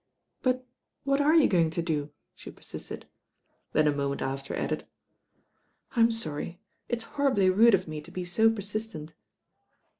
"But what are you going to do?" the per«i«tcd: then a moment after added. "I'm .orry, it'i horribly rude of me to be so persistent."